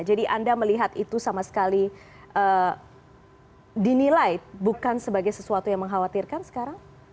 jadi anda melihat itu sama sekali dinilai bukan sebagai sesuatu yang mengkhawatirkan sekarang